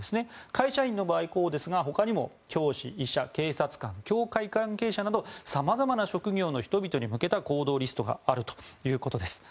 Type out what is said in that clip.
会社員の場合、こうですがほかにも教師、医者、警察官教会関係者など様々な職業の人々に向けた行動リストがあるということです。